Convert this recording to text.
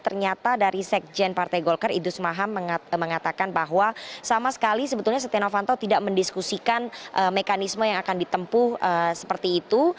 ternyata dari sekjen partai golkar idrus marham mengatakan bahwa sama sekali sebetulnya setia novanto tidak mendiskusikan mekanisme yang akan ditempuh seperti itu